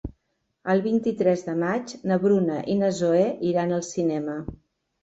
El vint-i-tres de maig na Bruna i na Zoè iran al cinema.